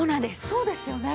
そうですよね。